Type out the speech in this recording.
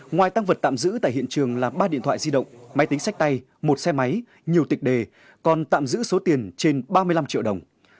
ngoài tăng vật tạm giữ tại hiện trường là ba điện thoại di động máy tính sách tay một xe máy nhiều tịch đề còn tạm giữ số tiền trên ba mươi năm triệu đồng